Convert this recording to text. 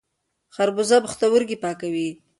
خربوزه پښتورګي پاکوي.